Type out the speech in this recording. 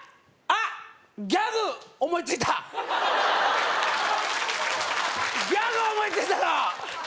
あっギャグ思いついたギャグ思いついたぞ！